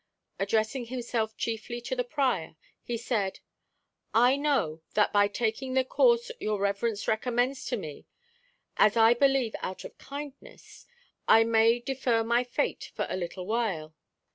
Addressing himself chiefly to the prior, he said, "I know that by taking the course your reverence recommends to me, as I believe out of kindness, I may defer my fate for a little while.